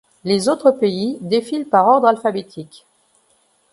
Les autres pays défilent par ordre alphabétique.